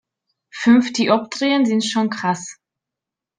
Fünf Dioptrien sind schon krass.